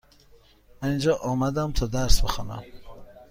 من اینجا آمدم تا درس بخوانم.